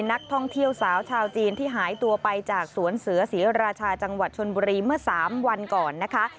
นักท่องเที่ยวสาวชาวจีนที่หายตัวไปจากสวนเสือศรีราชาจังหวัดชนบุรีเมื่อ๓วันก่อนนะคะ